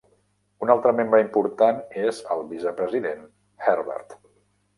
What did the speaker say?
Un altre membre important és el vicepresident "Herbert".